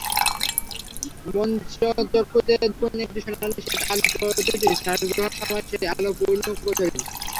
মনশ্চক্ষুতে দেখুন একটি সোনালি-শ্বেত আলো, প্রতিটি শ্বাসগ্রহণের সময় সেই আলো পূর্ণ করছে শরীর।